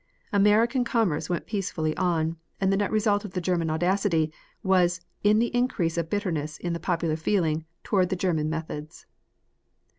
American commerce went peacefully on, and the net result of the German audacity was in the increase of bitterness in the popular feeling toward the German methods.